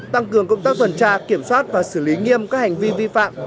tăng cường công tác tuần tra kiểm soát và xử lý nghiêm các hành vi vi phạm